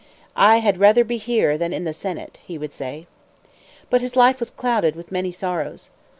"I had rather be here than in the senate," he would say. But his life was clouded with many sorrows.